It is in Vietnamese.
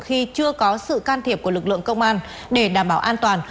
khi chưa có sự can thiệp của lực lượng công an để đảm bảo an toàn